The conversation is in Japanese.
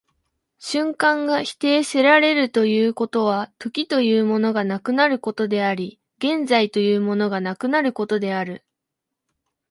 瞬間が否定せられるということは、時というものがなくなることであり、現在というものがなくなることである。